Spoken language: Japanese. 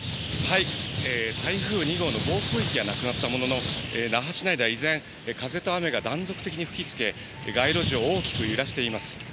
台風２号の暴風域はなくなったものの、那覇市内では依然、風と雨が断続的に吹きつけ、街路樹を大きく揺らしています。